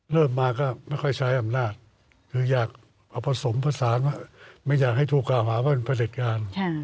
เริ่มมาก็ไม่ค่อยใช้อำนาจคืออยากเอาผสมผสานว่าไม่อยากให้ถูกกล่าวหาว่าเป็นผลิตงาน